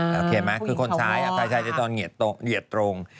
โอเคไหมคือคนชายฝ่ายชายจะตอนเหยียดตรง